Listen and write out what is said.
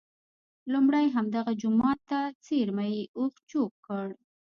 لومړی همدغه جوما ته څېرمه یې اوښ چوک کړ.